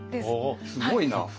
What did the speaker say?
すごいな。